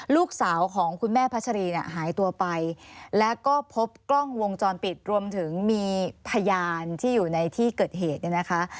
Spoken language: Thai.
ลูกสาวของคุณแม่พัชรีเนี่ยหายตัวไปแล้วก็พบกล้องวงจรปิดรวมถึงมีพยานที่อยู่ในที่เกิดเหตุเนี่ยนะคะ